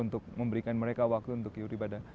untuk memberikan mereka waktu untuk iur ibadah